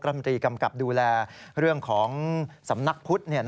มตรีกำกับดูแลเรื่องของสำนักพุทธ